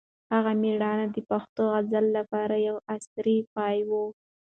د هغه مړینه د پښتو غزل لپاره د یو عصر پای و.